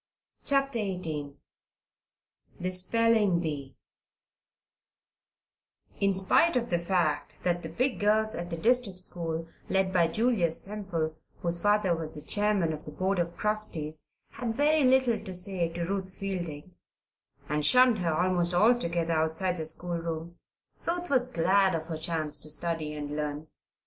CHAPTER XVIII THE SPELLING BEE In spite of the fact that the big girls at the district school, led by Julia Semple, whose father was the chairman of the board of trustees, had very little to say to Ruth Fielding, and shunned her almost altogether outside of the schoolroom, Ruth was glad of her chance to study and learn.